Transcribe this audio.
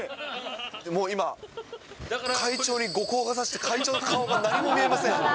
もう今、会長に後光がさして会長の顔が何も見えません。